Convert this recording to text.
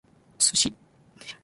sushi